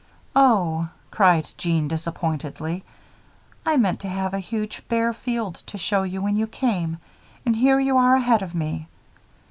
"Oh!" cried Jean, disappointedly. "I meant to have a huge bare field to show you when you came, and here you are ahead of me.